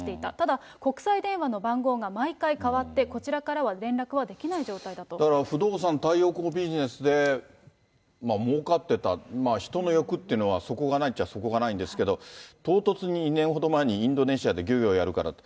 ただ国際電話の番号が毎回変わって、こちだから、不動産、太陽光ビジネスでもうかってた、人の欲というのは、底がないっちゃ底がないんですけど、唐突に２年ほど前にインドネシアで漁業やるからと。